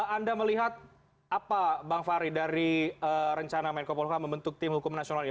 anda melihat apa bang fahri dari rencana menko polhukam membentuk tim hukum nasional ini